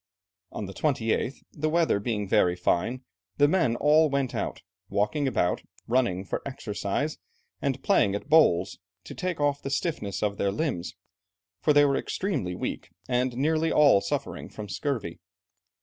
On the 28th, the weather being very fine, the men all went out, walking about, running for exercise, and playing at bowls, to take off the stiffness of their limbs, for they were extremely weak, and nearly all suffering from scurvy.